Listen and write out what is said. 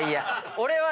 俺は。